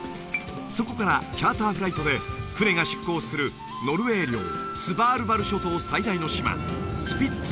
そこからチャーターフライトで船が出航するノルウェー領スヴァールバル諸島最大の島スピッツ